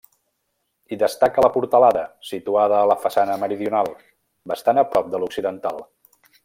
Hi destaca la portalada, situada a la façana meridional, bastant a prop de l'occidental.